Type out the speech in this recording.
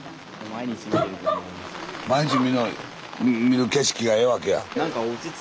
毎日見る景色がええわけや。